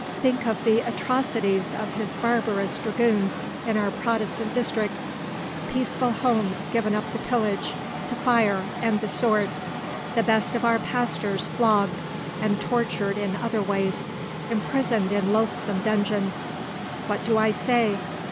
Think of the atrocities of his barbarous dragoons in our Protestant districts peaceful homes given up to pillage, to fire, and the sword. The best of our pastors flogged, and tortured in other ways, imprisoned in loathsome dungeons what do I say?